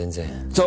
そう。